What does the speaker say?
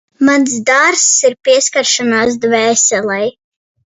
Mans dārzs ir pieskaršanās dvēselei